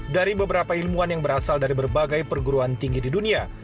dari beberapa ilmuwan yang berasal dari berbagai perguruan tinggi di dunia